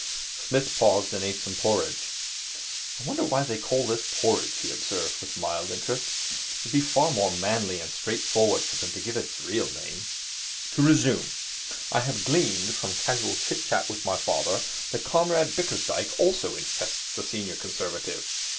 Psmith paused, and ate some porridge. 'I wonder why they call this porridge,' he observed with mild interest. 'It would be far more manly and straightforward of them to give it its real name. To resume. I have gleaned, from casual chit chat with my father, that Comrade Bickersdyke also infests the Senior Conservative.